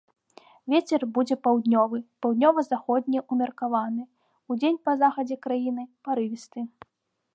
Вецер будзе паўднёвы, паўднёва-заходні ўмеркаваны, удзень па захадзе краіны парывісты.